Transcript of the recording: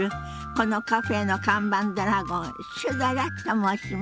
このカフェの看板ドラゴンシュドラと申します。